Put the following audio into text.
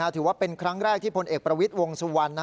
ถือว่าเป็นครั้งแรกที่พลเอกประวิทย์วงสุวรรณ